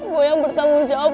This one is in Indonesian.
gue yang bertanggung jawab